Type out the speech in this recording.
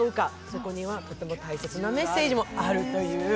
そこには大切なメッセージもあるという。